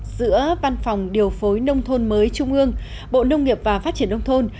giữa văn phòng điều phối nông thôn mới trung ương bộ nông nghiệp và phát triển nông thôn